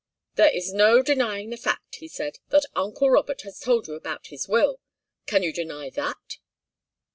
"There's no denying the fact," he said, "that uncle Robert has told you about his will. Can you deny that?"